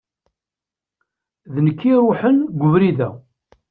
D nekk i iṛuḥen g ubrid-a.